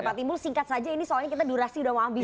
pak timbul singkat saja ini soalnya kita durasi udah mau habis